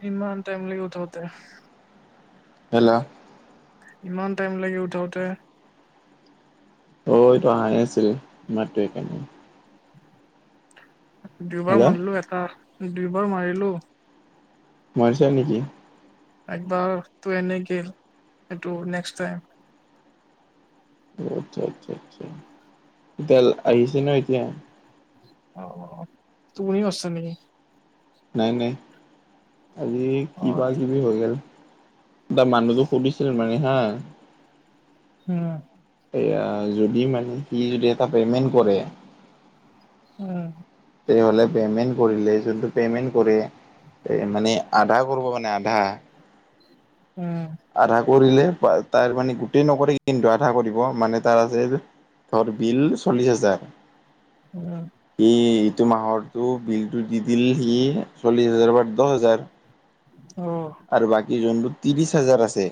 কিমান টাইম লাগিব উঠোতে? হেল্ল'! ইমান টাইম লাগিল উঠাওতে। অ', এইটো আহায়ে নাছিল মাতো সেইকাৰণে। দুবাৰ হেল্ল' মাৰিলো এটা দুইবাৰ মাৰিলো মাৰিছা নেকি? একবাৰতো এনে গেল এইটো নেক্স টাইম। আচ্ছা, আচ্ছা, আচ্ছা। টোটেল এতিয়া আহিছে নে এতিয়া? অ', তুমিও আছা নেকি? নাই নাই আজি অ কিবা কিবি হৈ গ'ল। তাক মানুহতোক সুধিছিল মানে হা। উম। এয়া যদি মানে সি যদি এটা পেমেন্ট কৰে। উম। তেওঁ পেমেন্ট কৰিলে যোনটো পেমেন্ট কৰে মানে আধা কৰিব মানে [inaudible] উম। আধা কৰিলে তাৰ মানে গোটেই নকৰে কিন্তু আধা কৰিব মানে তাৰ আছে যে। ত'ৰ বিল চল্লিছ হাজাৰ। উম। সি ইটো মাহৰটো বিলটো দি দিল সি চল্লিশ হাজাৰ বা দহ হেজাৰ। অ'। আৰু বাকী যোনটো ত্ৰিশ হাজাৰ আছে।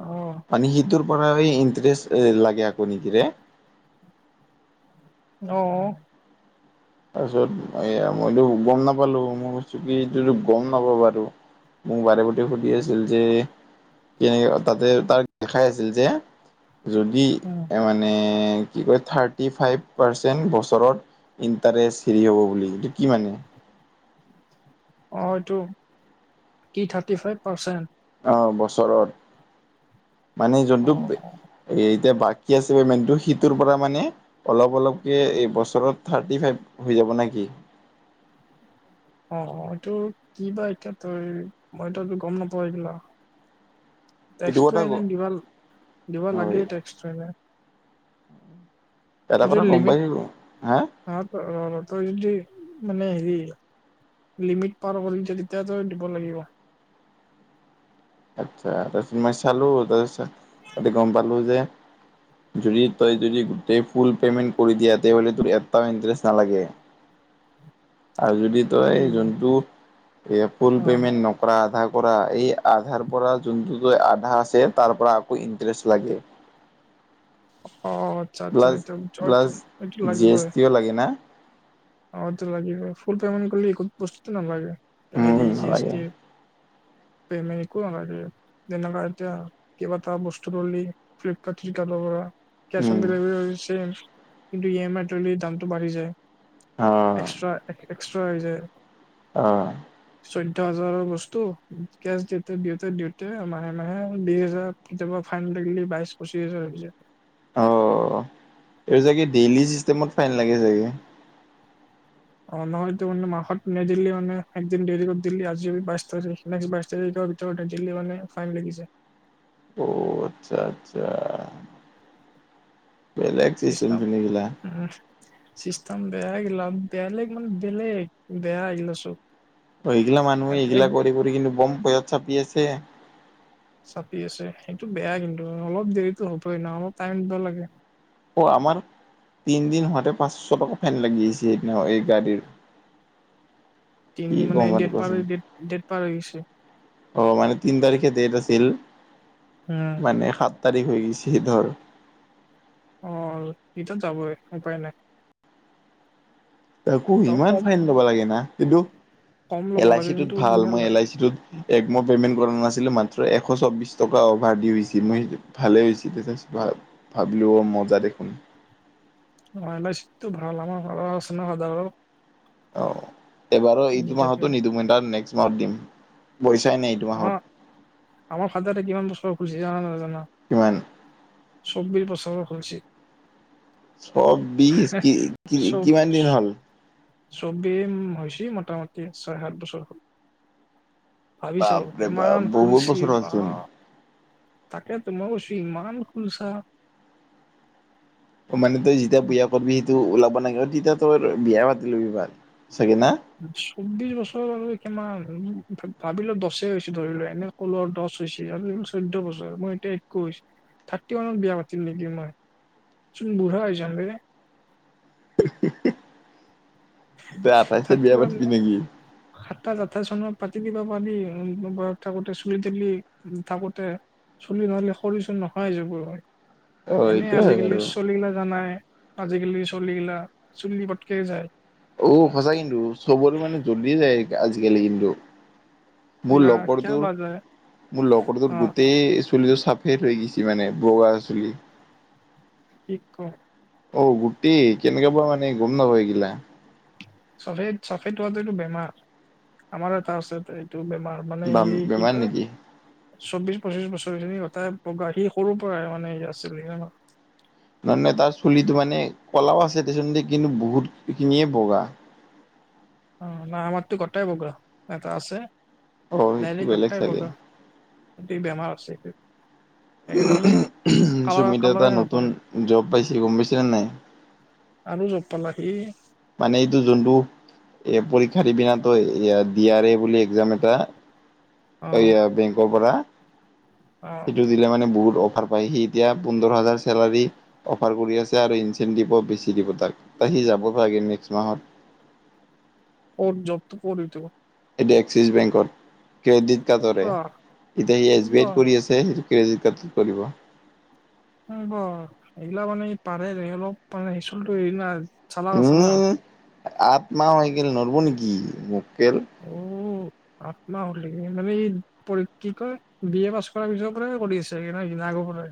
অ'। মানে সিটোৰ পৰা এ ইণ্টাৰেষ্ট লাগে আকৌ নেকি ৰে? নৌ। তাৰপিছত এয়া মইতো গম নাপালো মই কৈছো কি এতিয়াটো গম নাপাওঁ বাৰু। মোক বাৰে প্ৰতি সুধি আছিল যে কেনেকা তাতে তাক দেখাই আছিল যে যদি উম মানে কি কয় থাৰ্টি ফাইভ পাৰচেন্ট বছৰত তাৰে চিৰি হ'ব বুলি এইটো কি মানে? অ', এইটো কি থাৰ্টি ফাইভ পাৰ্চেণ্ট? অ', বছৰত মানে অ যোনটো এতিয়া বাক কী আছে পেমেণ্টটো সিটোৰ পৰা মানে অলপ অলপকে এই বছৰত থাৰ্টি ফাইভ হৈ যাব নে কি? অ', অ', এইটো কি বা এতিয়া তোৰ মইটো গম নাপাওঁ এইগিলাক। এইটো টেক্সটো কথা ক এনে দিবা দিবা লাগে হয় টেক্সটো এনে। এটা তই কথা যদি গম লিমিট পাই আহিলো হা? [unintelligible] তই যদি মানে হেৰি লিমিট পাৰ কৰিছ তেতিয়া তই দিব লাগিব। আচ্ছা তাৰপিছত মই চালো তাৰ পিছত তাতে গম পালো যে যদি তই যদি গোটেই ফোল পেমেণ্ট কৰি দিয়াহতে তোৰ এটাও ইণ্টাৰেষ্ট নালাগে। আৰু যদি কি তই যোনটো এই ফোল অ পেমেণ্ট নক কৰা আধা কৰা এই আধাৰ পৰা যোনটো তই আধা আছে তাৰ পৰা আকৌ ইণ্টাৰেষ্ট লাগে। অ', আচ্ছা আচ্ছা প্লাছ এইটো প্লাছ [unintelligible] এইটো জি এছ লাগিবই। টিও লাগে না? অ', এইটো লাগিবই, ফোল পেমেণ্ট কৰিলে একো বস্তুটো নালাগে উম, হেৰি জি এ নালাগে। টি পেমেন্ট একো নালাগে। যেনেকা এতিয়া কেইবাটাও বস্তু ধৰলি ফ্লিপকাৰ্ট চ্লিপকাৰ্টৰ পৰা কেচ উম, অন ডেলিভাৰি হৈ গৈছে কিন্তু ই এম আই ধৰলি দামটো বাঢ়ি যায়। অ', এক্সট্ৰা এক্সট্ৰা হৈ যায়। অ'। চৈধ্য হাজাৰৰ বস্তু কেচ দিওঁতে দিওঁতে দিওঁতে মাহে মাহে বিশ হাজাৰ কেতিয়াবা ফাইন লাগলি বাইশ পঁচিছ হাজাৰ হৈ যায়। অ'। এইটো চাগে ডেইলি চিষ্টেমত ফাইন লাগে চাগে। অ নহয় তো মানে মাহত নেদিলি মানে একদিন দেৰি কৰি দিলি আজি বাইশ তাৰিখ। নেক্সট বাইশ তাৰিখৰ ভিতৰত নেদিলি মানে ফাইন লাগি যায়। অ', আচ্ছা আচ্ছা। বেলেগ চিষ্টেম চিষ্টম চোন এইগিলা। উম। চিষ্টেম বেয়া ইগিলা বেলেগ মানে বেলেগ বেয়া ইগিলা চব। অ এইগিলা মানুহে এক এইগিলা কৰি কৰি কিন্তু বম পইচা চাপি আছে। চাপি আছে সেইটো বেয়া কিন্তু অলপ দেৰিতো হ'বই নহ অলপ টাইম [unintelligible] লাগে। অ আমাৰ। তিনিদিন হোৱাতে পাঁচশ টকা ফাইন লাগি আহিছে [unintelligible] এই গাড়ীৰ। কি তিনিটো মানে ক'ম আৰু ডেট পাৰ কোৱাচোন। ডেট, ডেট পাৰ হৈ গৈছে। অ মানে তিন তাৰিখে ডেট আছিল উম মানে সাত তাৰিখ হৈ গৈছে ধৰ। অ এইটোত যাবই উপায় নাই। আকৌ তই ইমান কম ফাইন লব লাগে না কিন্তু কম ল'ব এল আই লাগে চিটোত কিন্তু ভাল ধুনীয়া মই লয় এল আই চিটোত। এক মই পেমেণ্ট কৰা নাছিলো মাত্ৰ এশ চৌবিশ টকা অভাৰদিউ হৈছিল মই ভালে। [unintelligible] ভাবিলো অ মজা দেখোন। অ এল আই চিটোত ভাল আমাৰ ঘৰত আছে না ফাদাৰৰ। অ এইবাৰো এইটো মাহতো যেতিয়া নিদিওঁ মই নেক্স মাহত দিম পইচাই নাই। অ মাহত আমাৰ ফাদাৰে কিমান বছৰৰ খুলিছে জানা না নাজানা। কিমান? চৌবিশ বছৰৰ খুলচি। চৌবিশ কি, কি-কিমান দিন হ'ল? ছবিম হৈছে মোটামুটি ছয় সাত বছৰ হ'ল। ভাবিছো বাপৰে বাপ কিমান বহুত খুলচি বছৰ বা। হ'লচোন তাকেতো মই কৈছোঁ ইমান খুলছা। মানে তই যেতিয়া বিয়া পাতিবি সেইটো ওলাব [unintelligible] তেতিয়া তই বিয়া পাতি ল'বি [unintelligible] চাগে না। চৌবিশ বছৰ আৰু কিমান ভাবি লো দহছে হৈছে ধৰি লো এনে ক'লো আৰ দহ হৈছে আৰু চৈধ্য বছৰ মই এতিয়া একৈশ। থাৰ্টি ওৱানত বিয়া পাতিম নেকি মই চোন বুঢ়া হৈ যাম এ। [unintelligible] [unintelligible] আঠাইছে বিয়া পাতিবি নেকি। সাতাইশ আঠাইছ চনত পাতি দিবা পাৰি বয়স থাকোঁতে চুলি থুলি থাকোঁতে। চুলি নহ'লে সৰি চৰি নোহোৱা হৈ যাব। অ এনেই এইটোয়ে হয় আজিকালি বাৰু চলি গিলা জানাই আজিকালি চলি গিলা চুলি পটকে যায়। অ সঁচা কিন্তু চবৰে মানে জল্ডিয়ে যায় আজিকালি কিন্তু। মোৰ এইগিলা কিয় লগৰটোৰ বা যায় মোৰ লগৰটোৰ অ গোটেই। চুলিটো চাফেড ৰৈ গৈছে মানে বগা চুলি। কি কওঁ। অ গোটেই কেনেকে বা মানে গম নাপাওঁ ইগিলা। চাফেড, চাফেড হোৱাটো এইটো বেমাৰ আমাৰো এটা আছে এইটো বেমাৰ। মানে বাম ই কি বেমাৰ কয়। নেকি চৌবিশ পঁচিশ বছৰ খিনি গটাই বগা সি সৰুৰ পৰাই মানে আছিল। [unintelligible] মানে তাৰ চুলিটো মানে ক'লাও আছে দেচোন দে কিন্তু বহুতখিনিয়ে বগা। অ নাই আমাৰতো গোটেই বগা এটা আছে অ সেইটো ডাইৰেক বেলেগ গোটেই চাগে বগা। [unintelligible] বেমাৰ আছে সিটো। উ কালাৰ চুমিতে এটা কালাৰে নতুন নকৰে জব পাইছে গম পাইছা নে নাই। আৰু জব পালা সি। মানে এইটো যোনটো এ পৰীক্ষাৰ দি পিনা তই ডি আৰ এ বুলি এক্সাম এটা। অ এইয়া বেংকৰ পৰা অ সেইটো দিলে মানে বহুত অফাৰ হয়, কি এতিয়া পোন্ধৰ হাজাৰ চেলাৰী অফাৰ কৰি আছে আৰু ইনচেণ্টিভো বেছি দিব তাক সি যাবা ছাগে নেক্স মাহত। ক'ত জব্জটো, ক'ত জব্জটো এইটো এতিটো এক্সিছ বেংকত, ক্ৰেডিট কাৰ্ডৰে, বাহ এতিয়া সি এছ বি আইত বাহ কৰি আছে। সেই ক্ৰেডিট কাৰ্ডত কৰিব। পাৰব এইগিলা মানে পাৰে অলপ মানে সিচলটো হেৰি না। চালাক আছে না উম, আঠমাহ হৈ গেল [unintelligible] নেকি মোকক্কেল উম, আত্ম হলে কিনি লবি পৰক কি কয় বি এ পাছ কৰাৰ পিছৰ পৰাই কৰি আছে নাহ আগৰ পৰাই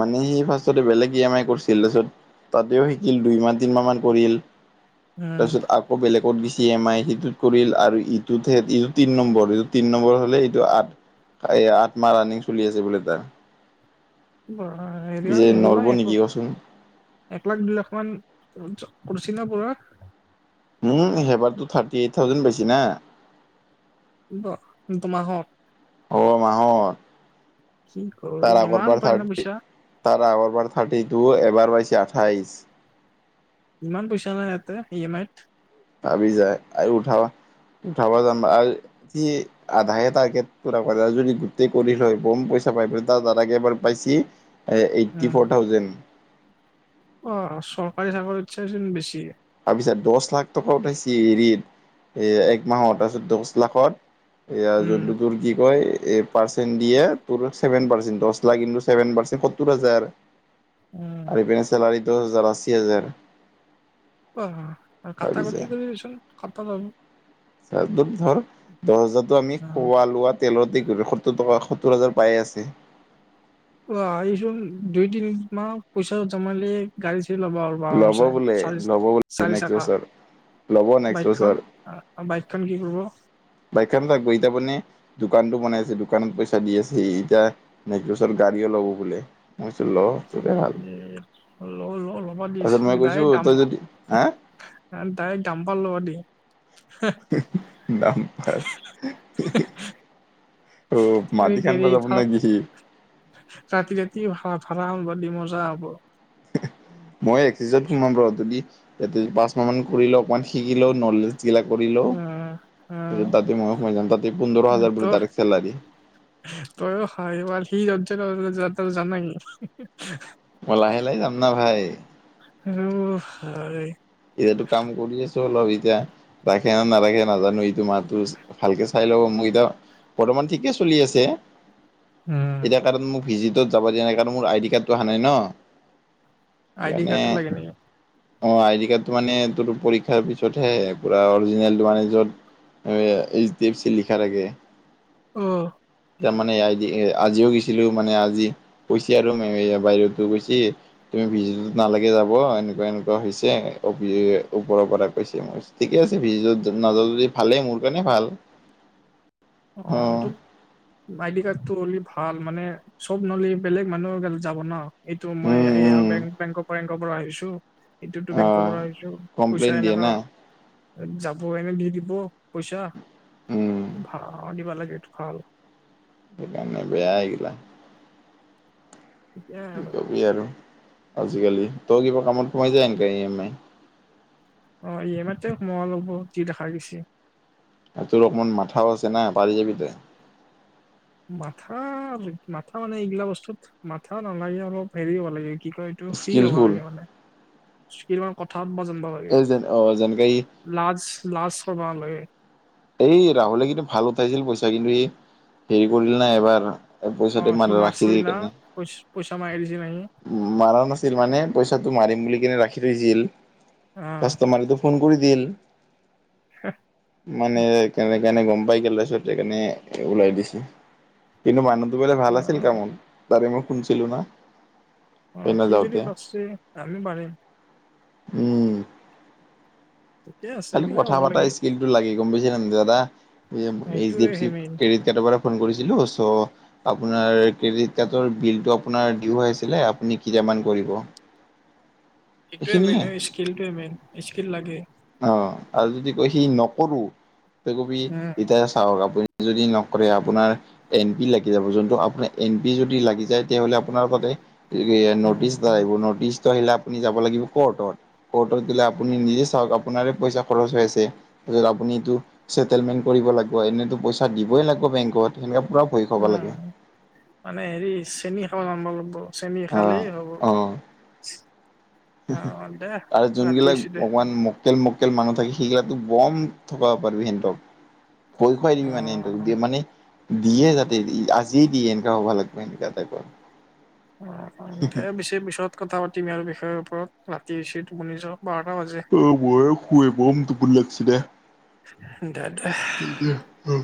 মানে সি ফাৰ্ষ্টেত বেলেগ ই এম আই কৰিছিল তাৰপিছত তাতেও সি। দুই মাহ তিন মাহ মান কৰিল উম তাৰপিছত আ আকৌ বেলেগত বেছি এম আই সিটোত কৰিল আৰু ইটোতে ইটো তিন নম্বৰ এইটো তিন নম্বৰ হ'লে ওললোএইটো আঠ এইয়া আঠ মাহ ৰানিং চলি আছে বোলে তাৰ। হেৰি পিছে নৰব [unintelligible] নেকি কচোন এক লাখ, দুই লাখ মান [unintelligible] আপোনাৰ উম, হেইবাৰতো থাৰ্টি এইট থ্ৰাউজেণ্ড পাইছে না। উম, দুমাহত। অ' মাহত কি কৰোঁ তাৰ ইমান আগৰবাৰ পাই নে থাৰ্টি পইচা তাৰ আগৰ বাৰ থ্ৰাৰ্টিটু, এবাৰ পাইছে আঠাইছ ইমান পইচা নাই ইহঁতে ই এম আইত ভাবি যায় আৰু উঠাব উঠাব যামা আৰু কি আধায়ে তাৰগেটটো পোৰা কৰে যদি গোটেই কৰি লয় বম পইচা পাই [unintelligible] দাদাকে এবাৰ পাইছি। এইটি উম ফ্ৰ'ৰ থাউজেণ্ড। অ' চৰকাৰী চাকৰি চে যেন বেছি। তাৰপিছত দহ লাখ টকা উঠাইছি হেৰিত এ এক মাহৰ তাৰপিছত দহ লাখত এয়াৰ উম যোনটো তোৰ কি কয় এই পাচেণ্ট দিয়ে [unintelligible] দহ লাখভন পাচেণ্ট সত্তৰ হাজাৰ। উম। আৰু পেনে ছেলাৰী টো দহ হাজাৰ আশী হাজাৰ। অ' কটা ভাবিছা কাটি কৰিবিচোন কটা ল তোত ধৰ দহ হজাৰো আমি খোৱা লোৱাত তেলতে সত্তৰ টকা সত্তৰ হাজাৰ পায়ে আছে অ' আহিচোন দুই তিন মাহ পইচা জমালে গাড়ী চাড়ী ল'বা আৰু ল'ব বাৰনাচে বোলে চালিছ ল'ব বোলে চাৰি নেক্সট চকা। বছৰ ল'ব নেক্সট বাইকখন বছৰ বাইকখন কি কৰিব? বাইকখন থাকিব শিকা বনে? দোকানটো বনাই আছে। দোকানত পইচা দি আছে, এতিয়া নেকছ বছৰত গাড়ীও ল'ব বোলে। মই কয়চো লৰ কি তোৰেই ভাল। ল' ল' ল'ব দিছ তাৰপিছত মই কৈছো ডায়েৰেক্ট দাম। তই যদি হা ডাইৰেক্ট দাম পা ল'বা দি। দাম পাৰ। ও, মাটি হেৰি খান্দিব যাব নে কি সি? ৰাতি ৰাতি ভা ভাড়াব [unintelligible] দি মজা হ'ব মই এক্সচিত সোমাম ৰহ, যদি পাঁচ মাহ মান কৰিলোঁ, অকমান শিকিলওঁ নলেজ। গিলা কৰিলও, উম উম তাতে মই সোমাই যাম তাতে পোন্ধৰ হাজাৰ বুলি তাৰে ডাইৰেক্ট চেলাৰী। তয়ো হয়বাৰ সি [unintelligible] মই লাহে লাহে যাম না ভাই? আৰু ভাই। এতিয়াটো কাম কৰি আছো অলপ, এতিয়া ৰাখে ন নাৰাখে নাজানো তোমাৰটো ভালকে চাই লবা, মোৰ এতিয়া বৰ্তমান ঠিকে চলি আছে। উম। সেইকাৰণ মোক ভিজিটত যাব দিয়া নাই কাৰন মোৰ আইদি কাৰ্ডটো আহা নাই ন'। আইডি সেইকাৰণে কাৰ্ডটো লাগে নেকি মোৰ আইডি কাৰ্ড ত' মানে ততো পৰীক্ষাৰ পিছতহে পুৰা অৰিজিনেলটো মানে য'ত এচ ডি এফ চি লিখা থাকে। অ'। তাৰমানে আ, আজিও গৈছিলোঁ, মানে আজি কৈছে আৰু মেমে বাইদেউহতে কৈছে। তুমি ভিজিটত নালাগে যাব, এনেকুৱা এনেকুৱা হৈছে। অ' ওপৰৰ পৰা কৈছে, ঠিকে আছে ভিজিটত নাযাওঁ যদি ভালে, মোৰ কাৰণে ভাল। অ' তোক আই ডি কাৰ্ডটো হ'লি ভাল, মানে চব নহ'লি বেলেগ মানুহে যাব ন'। এইটো মই উম এইয়া উম বেংক, বেংকৰ পৰ পৰা আহিছোঁ। এইটোতো অ বেংকৰপৰা আহিছোঁ, পইচা কমপ্লেইন দিয়ে এনেকা না যাব টাইমে দি দিব পইচা। উম। ভা, দিবা লাগে এইটো ভাল। সেইকাৰণে বেয়া এইগিলা। এতিয়া আহি পালোঁ। সেয়া আৰু আজিকালি, তই কিবা কামত সোমাই যায় এনেকে ই এম আই। অ' ই এম য়াতে সোমোৱা লাগৱ যি দেখা গৈছে। তোৰ অকণমান মাথাও আছে না, পাৰি যাবি তই। মাথা মাথা মানে এইগিলা বস্তুত মাথা নালাগে, অলপ হেৰি হ'ব লাগে কি কয় টো ফ্ৰী হ'ব স্কিলফুল লাগে মানে, কথা পাতবা জানিব লাগে। এই যেন অ' যেনেকে ই। লাজ, লাজ কৰিব নালাগে। এই ৰাহুলে কিন্তু ভাল উঠাইছিল পইচা, কিন্তু ই হেৰি কৰিল না এবাৰ পইচাটো মাৰ ৰাখি দি কাৰণে। পচ পইচা মাৰি দিছিল নাকি। মাৰা নাছিল মানে, পইচাটো মাৰিম বুলি কেনে ৰাখি থৈছিল। কাষ্টমাৰটো ফোন কৰি দিল, মানে কেনে যেনে গম পাই পেলাইছে এইটো কৰণে ওলাই দিছে। কিন্তু মানুহ সি বোলে ভাল আছিল কামত, তাৰে মই শুনিছিলোঁ না। অ' সেইদিনা সি যাওঁতে যদি পাৰিছে, আমিওঁ পাৰিম। উম। ঠিকে আছে খালি এইগিলা কথা হ'ব পতা লাগে স্কিলটো লাগে গম পাইছে ন' দাদা, এইচ সেইটোৱে এফ চি সেই মেইন ক্ৰেডিট সেইটো কাৰণে ফোন কৰিছিলোঁ চ' আপোনাৰ ক্ৰেডিট কাৰ্ডৰ বিলটো আপোনাৰ ডিওঁ আহিছিলে আপুনি কিতামান কৰিব? সেইটোৱে এইখিনিয়ে মেইন, স্কিলটোৱে মেইন, স্কিল লাগে। অ' আৰু যদি কয় সি নকৰোঁ, তই কবি উম এতিয়া চাওক আপুনি যদি নকৰে আপোনাৰ এন পি লাগি যাব, যোনটো আপোনাৰ এন পি যদি লাগি যায় তেতিয়াহ'লে আপোনাৰ বাবে এ, উম ন'টিচ দাই উম আহিব, নটিচটো আহিলে আপুনি যাব লাগিব ক'ৰ্টত, ক'ৰ্টত গ'লে আপুনি নিজে চাওক আপোনাৰে পইচা খৰচ হৈ আছে। আপোনিটো চেটেলমেন্ট কৰিব লাগিব, এনেতো পইচা দিবই লাগিব বেংকত। সেনেকে পুৰা পৰি হুম, মানে হেৰি চেনি খাব জানিব লাগিব। চেনি অ খালেই হ'ব। অ অ দে আৰু ৰাতি যোনবিলাক হৈছি দে অকমান মক মক্কেল মক্কেল মানুহ থাকে সেইগিলাকো বম থগবা পাৰিবি সিহঁতক। ভই খুৱাই অ দিবি মানে সিন্তক দিয় মানে দিয়ে যাতে আজিয়ে দিয়ে এনেকুৱা হ'ব লাগিব এনেককা টাইপৰ অ', পিছে পিছত কথা পাতিম আৰু বিষয়ৰ ওপৰত ৰাতি হৈচি টোপনি যাও বাৰটা বাজে। ব'ম টোপনি লাগিছে দে। দেদে। হা